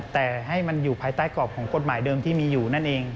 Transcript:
แต่ให้มันอยู่ภายใต้กรอบของกฎหมายเดิมที่มีอยู่นั่นเอง